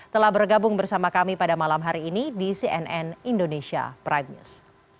telah bergabung bersama kami pada malam hari ini di cnn indonesia prime news